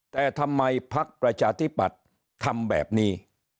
แต่ทำไมพักประชาธิปัตย์ทำแบบนี้